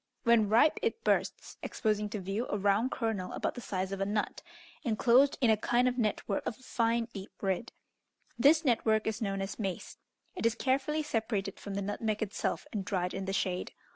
When ripe it bursts, exposing to view a round kernel about the size of a nut, enclosed in a kind of net work of a fine deep red: this network is known as mace. It is carefully separated from the nutmeg itself, and dried in the shade.